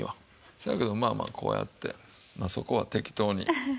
そやけどもまあまあこうやってまあそこは適当に。